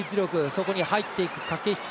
そこに入っていく駆け引き